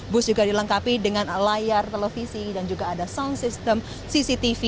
bus juga dilengkapi dengan layar televisi dan juga ada sound system cctv